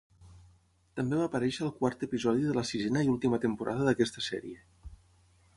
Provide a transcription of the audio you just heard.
També va aparèixer al quart episodi de la sisena i última temporada d'aquesta sèrie.